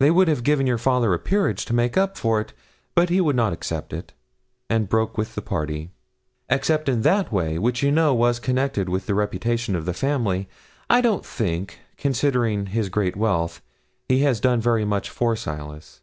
They would have given your father a peerage to make it up, but he would not accept it, and broke with the party. Except in that way which, you know, was connected with the reputation of the family I don't think, considering his great wealth, he has done very much for Silas.